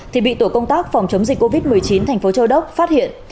thì bị tổ công tác phòng chống dịch covid một mươi chín tp châu đốc phát hiện